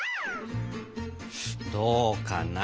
どうかな。